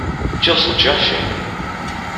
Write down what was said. Just joshing!